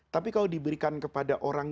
tapi kalau diberikan kepada orang